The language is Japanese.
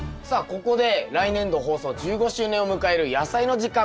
ここで来年度放送１５周年を迎える「やさいの時間」